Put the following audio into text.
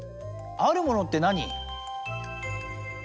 あるものってなに？